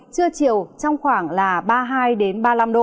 trưa chiều trong khoảng là ba mươi hai đến ba mươi năm